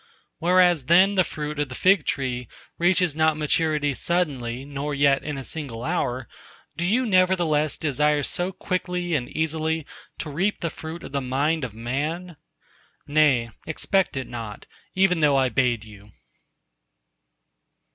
Whereas then the fruit of the fig tree reaches not maturity suddenly nor yet in a single hour, do you nevertheless desire so quickly, and easily to reap the fruit of the mind of man?—Nay, expect it not, even though I bade you!"